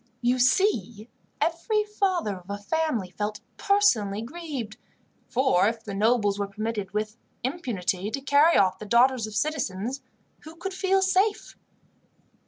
You see, every father of a family felt personally grieved, for if the nobles were permitted, with impunity, to carry off the daughters of citizens, who could feel safe?